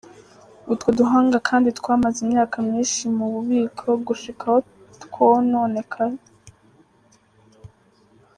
Utwo duhanga kandi twamaze imyaka myinshi mu bubiko gushika aho twononekara.